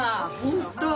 本当。